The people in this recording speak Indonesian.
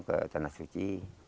ke tanah suci